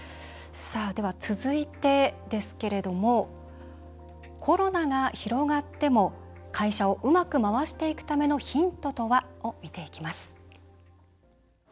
では続いてですけれどもコロナが広がっても会社をうまく回していくためのヒントとは？を見ていきます。